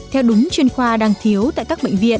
theo đúng chuyên khoa đang thiếu tại các bệnh viện